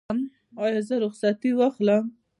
ایا زه رخصتي واخلم؟